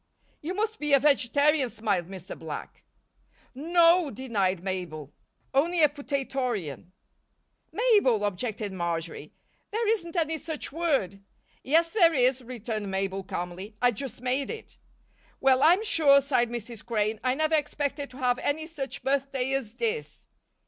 "You must be a vegetarian," smiled Mr. Black. "N no," denied Mabel. "Only a potatorian." "Mabel!" objected Marjory. "There isn't any such word." "Yes, there is," returned Mabel, calmly. "I just made it." "Well, I'm sure," sighed Mrs. Crane, "I never expected to have any such birthday as this."